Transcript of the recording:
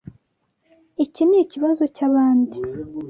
Iki nikibazo cyabandi.